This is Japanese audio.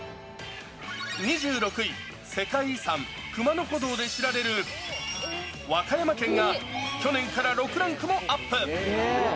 ２６位、世界遺産、熊野古道で知られる和歌山県が、去年から６ランクもアップ。